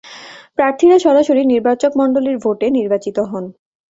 প্রার্থীরা সরাসরি নির্বাচকমন্ডলীর ভোটে নির্বাচিত হতেন।